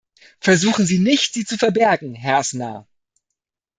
Versuchen Sie nicht, sie zu verbergen, Herr Aznar.